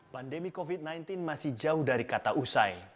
pandemi covid sembilan belas masih jauh dari kata usai